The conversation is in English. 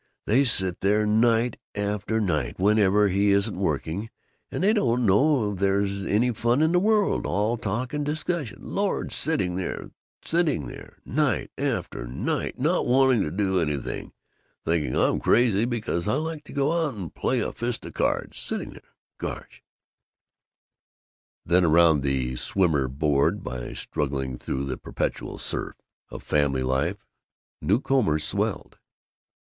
They sit there night after night, whenever he isn't working, and they don't know there's any fun in the world. All talk and discussion Lord! Sitting there sitting there night after night not wanting to do anything thinking I'm crazy because I like to go out and play a fist of cards sitting there gosh!" Then round the swimmer, bored by struggling through the perpetual surf of family life, new combers swelled.